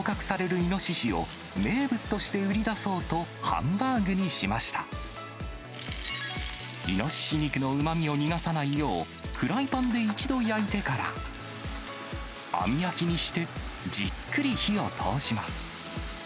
イノシシ肉のうまみを逃がさないよう、フライパンで一度焼いてから、網焼きにして、じっくり火を通します。